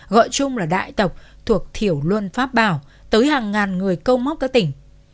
gọi chung là đại tộc thuộc thiểu luân pháp bảo tới hàng ngàn người câu móc các tỉnh